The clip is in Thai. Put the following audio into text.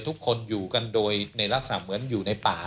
ทุกคนอยู่กันโดยในลักษณะเหมือนอยู่ในป่า